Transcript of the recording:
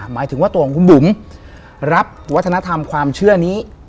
หมายถึงว่าตัวของคุณบุ๋มรับวัฒนธรรมความเชื่อนี้